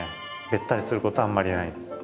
べったりすることあんまりない。